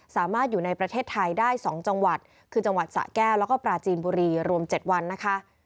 สามารถอยู่ในประเทศไทยได้๒จังหวัดคือจังหวัดสะแก้วแล้วก็ปราจีนบุรีรวม๗วันนะคะ